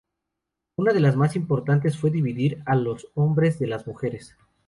Una de las más importantes fue dividir a los hombres de las mujeres.